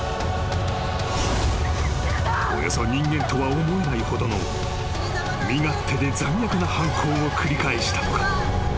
［およそ人間とは思えないほどの身勝手で残虐な犯行を繰り返したのか］